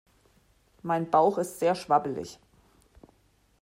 Mein Bauch ist sehr schwabbelig.